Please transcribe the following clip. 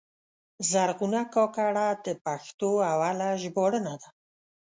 زرغونه کاکړه د پښتو اوله ژباړنه ده.